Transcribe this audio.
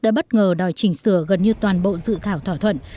đã bất ngờ đòi chỉnh sửa gần như toàn bộ dự thảo thỏa thuận